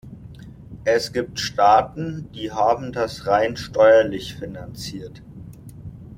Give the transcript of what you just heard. Es gibt Staaten, die haben das rein steuerlich finanziert.